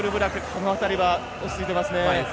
このあたりは落ち着いていますね。